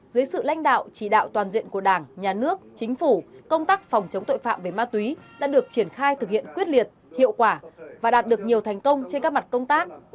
dưới sự lãnh đạo chỉ đạo toàn diện của đảng nhà nước chính phủ công tác phòng chống tội phạm về ma túy đã được triển khai thực hiện quyết liệt hiệu quả và đạt được nhiều thành công trên các mặt công tác